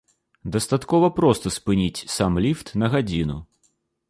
Дастаткова проста спыніць сам ліфт на гадзіну.